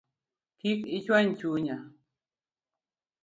Kik ichuany chunya